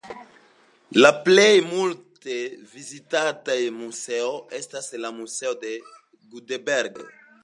La plej multe vizitata muzeo estas la Muzeo de Gutenberg.